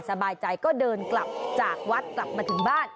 สบายใจก็เดินกลับจากวัดกลับมาถึงบ้าน